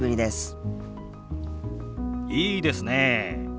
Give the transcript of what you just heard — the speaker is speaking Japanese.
いいですねえ。